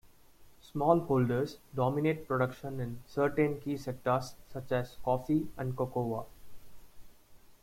Smallholders dominate production in certain key sectors such as coffee and cocoa.